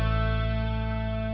ada semua halan